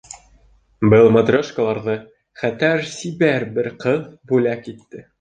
- Был матрешкаларҙы хәтәр сибәр бер ҡыҙ бүләк итте.